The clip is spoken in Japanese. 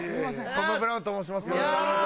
トム・ブラウンと申します。